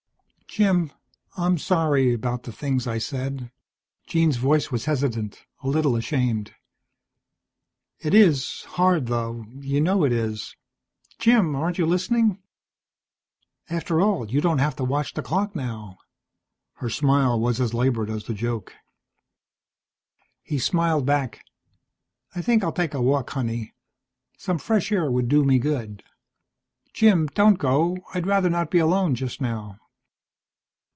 "Jim, I'm sorry about the things I said." Jean's voice was hesitant, a little ashamed. "It is hard, though, you know it is Jim, aren't you listening? After all, you don't have to watch the clock now." Her smile was as labored as the joke. He smiled back. "I think I'll take a walk, honey. Some fresh air would do me good." "Jim, don't go. I'd rather not be alone just now."